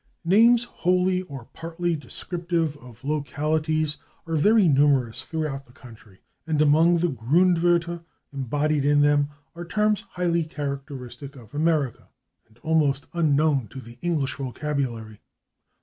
[Pg294] Names wholly or partly descriptive of localities are very numerous throughout the country, and among the /Grundwörter/ embodied in them are terms highly characteristic of America and almost unknown to the English vocabulary.